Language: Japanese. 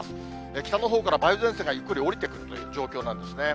北のほうから梅雨前線がゆっくり下りてくるという状況なんですね。